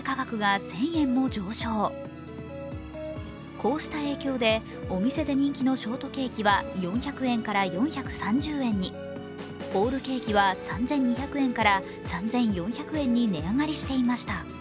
こうした影響で、お店で人気のショートケーキは４００円から４３０円に、ホールケーキは３２００円から３４００円に値上がりしていました。